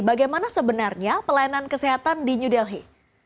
bagaimana sebenarnya pelayanan kesehatan di new delhi